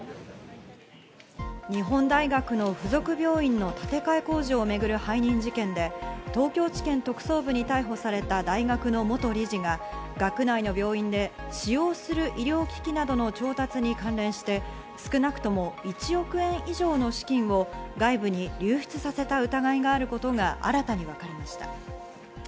日本大学の付属病院の建て替え工事を巡る背任事件で、東京地検特捜部に逮捕された大学の元理事が、学内の病院で使用する医療機器などの調達に関連して、少なくとも１億円以上の資金を外部に流出させた疑いがあることが新たに分かりました。